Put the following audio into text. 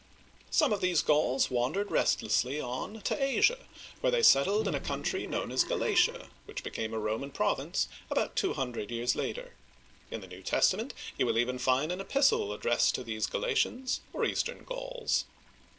Some of these Gauls wandered restlessly on to Asia, where they settled in a country known as Gala'tia, which became a Roman province about two hundred years later. In the New Testament you will find an epistle addressed to these Galatians, or eastern Gauls.